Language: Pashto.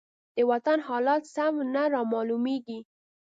د وطن حالات سم نه رامالومېږي.